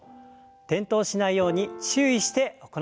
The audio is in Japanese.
転倒しないように注意して行ってください。